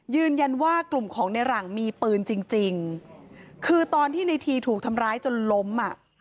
ยืนยันว่ากลุ่มของในหลังมีปืนจริงจริงคือตอนที่ในทีถูกทำร้ายจนล้มอ่ะ